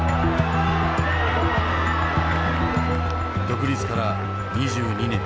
独立から２２年。